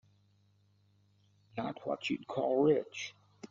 Not what you'd call rich.